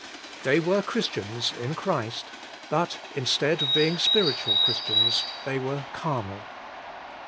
They were Christians, in Christ, but instead of being spiritual Christians, they were carnal.